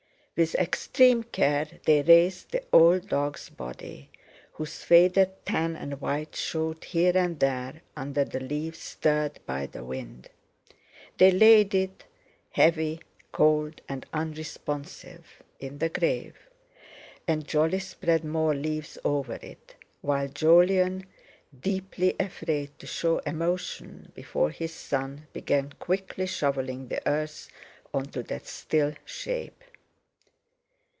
With extreme care they raised the old dog's body, whose faded tan and white showed here and there under the leaves stirred by the wind. They laid it, heavy, cold, and unresponsive, in the grave, and Jolly spread more leaves over it, while Jolyon, deeply afraid to show emotion before his son, began quickly shovelling the earth on to that still shape.